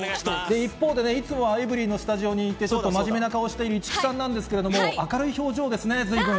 一方で、いつもはエブリィのスタジオにいて、ちょっと真面目な顔している市來さんなんですけれども、明るい表情ですね、ずいぶん。